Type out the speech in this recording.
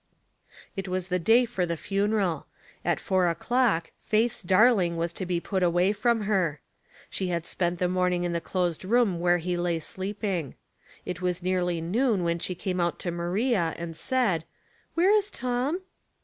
It was the day for the fiineraL At four o'clock, Faith's darling was to be put away from her. She had spent the morning in the closed room where he lay sleeping. It was nearly noon when she came out to Maria, and said, *' Where is Tom?"